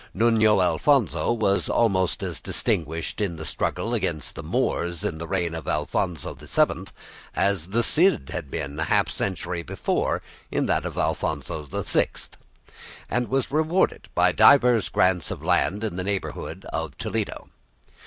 Nuno Alfonso was almost as distinguished in the struggle against the Moors in the reign of Alfonso VII as the Cid had been half a century before in that of Alfonso VI, and was rewarded by divers grants of land in the neighbourhood of Toledo.